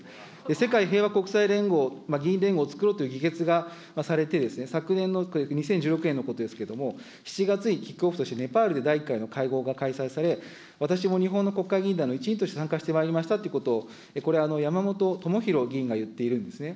世界平和国際連合議員連合をつくろうという議決がされて、昨年の２０１６年のことですけども、キックオフとしてネパールで第１回の会合が開催され、私も日本の国会議員団の一員として参加してまいりましたということを、これ、山本朋広議員が言っているんですね。